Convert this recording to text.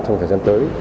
trong thời gian tới